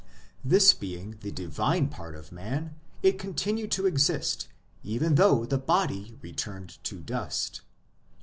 This being the divine part of man, it continued to exist even though the body returned to dust.